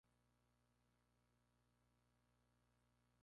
Criaban llamas y ñandúes.